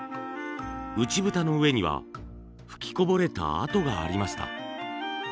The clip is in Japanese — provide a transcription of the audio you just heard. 内蓋の上には噴きこぼれた跡がありました。